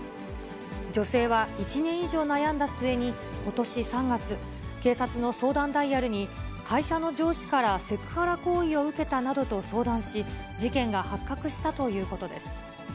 女性は１年以上悩んだ末にことし３月、警察の相談ダイヤルに会社の上司からセクハラ行為を受けたなどと相談し、事件が発覚したということです。